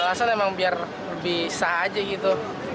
alasan emang biar lebih sah aja gitu